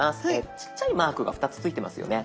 ちっちゃいマークが２つついてますよね。